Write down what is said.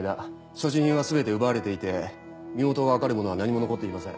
所持品は全て奪われていて身元が分かるものは何も残っていません。